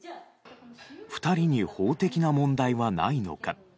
２人に法的な問題はないのか。